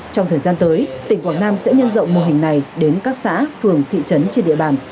trong thời gian tới tỉnh quảng nam sẽ nhân rộng mô hình này đến các xã phường thị trấn trên địa bàn